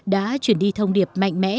đã chuyển đi thông điệp mạnh mẽ